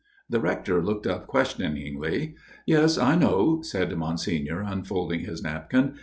The Rector looked up questioningly. " Yes, I know," said Monsignor unfolding his napkin.